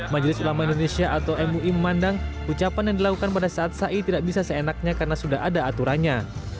majelis ulama indonesia atau mui memandang ucapan yang dilakukan pada saat ⁇ ai tidak bisa seenaknya karena sudah ada aturannya